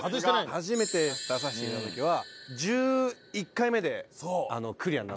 初めて出させて頂いた時は１１回目でクリアになったんです。